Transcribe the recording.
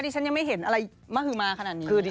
มะหืมะแบบนิยมผมยังไม่เห็นอะไรขนาดนี้